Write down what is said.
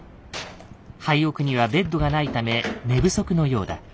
廃屋にはベッドがないため寝不足のようだ。